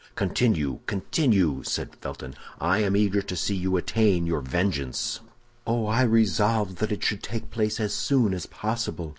"Continue, continue!" said Felton; "I am eager to see you attain your vengeance!" "Oh, I resolved that it should take place as soon as possible.